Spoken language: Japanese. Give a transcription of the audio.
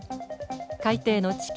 海底の地形